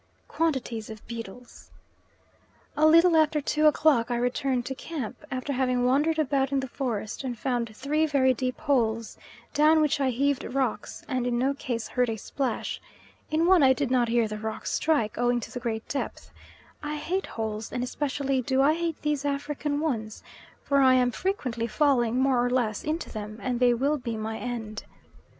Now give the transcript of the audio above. Quantities of beetles. A little after two o'clock I return to camp, after having wandered about in the forest and found three very deep holes, down which I heaved rocks and in no case heard a splash. In one I did not hear the rocks strike, owing to the great depth. I hate holes, and especially do I hate these African ones, for I am frequently falling, more or less, into them, and they will be my end.